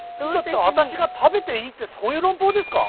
私が食べていいってそういう論法ですか？